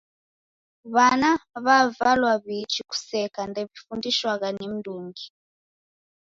W'ana w'avalwa w'iichi kuseka ndew'ifundishwagha ni mndungi.